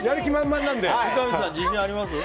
三上さん、自信あります？